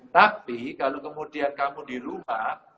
tapi kalau kemudian kamu di rumah